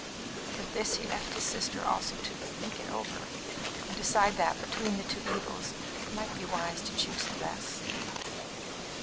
With this he left his sister also to "think it over," and decide that, between two evils, it might be wise to choose the less.